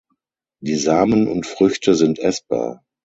Die Samen und Früchte sind essbar.